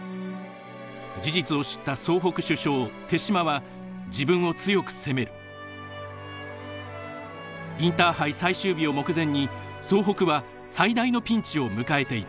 事実を知った総北主将手嶋は自分を強く責めるインターハイ最終日を目前に総北は最大のピンチを迎えていた。